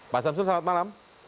pak samsul selamat malam